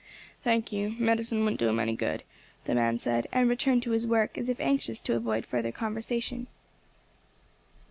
"Thank you; medicine wouldn't do him any good," the man said, and resumed his work as if anxious to avoid further conversation.